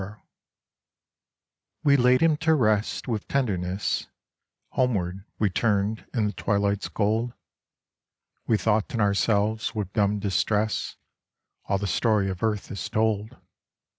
39 WE laid him to rest with tenderness ; Homeward we turned in the twilight's gold ; We thought in ourselves with dumb distress All the story of earth is told.